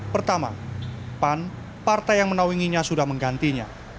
pertama pan partai yang menaunginya sudah menggantinya